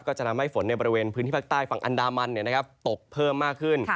ก็จะทำให้ฝนในบริเวณพื้นที่ภาคใต้ฝั่งอันดามันตกเพิ่มมากขึ้น